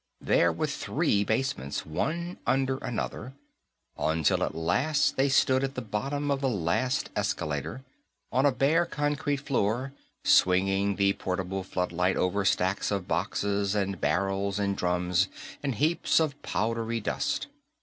There were three basements, one under another, until at last they stood at the bottom of the last escalator, on a bare concrete floor, swinging the portable floodlight over stacks of boxes and barrels and drums, and heaps of powdery dust.